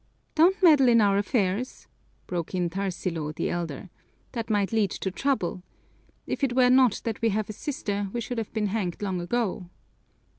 "Don't meddle in our affairs!" broke in Tarsilo, the elder. "That might lead to trouble. If it were not that we have a sister, we should have been hanged long ago."